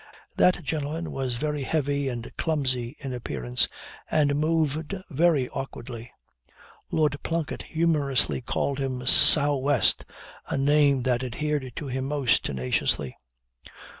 That gentleman was very heavy and clumsy in appearance, and moved very awkwardly. Lord Plunket humorously called him Sow West, a name that adhered to him most tenaciously.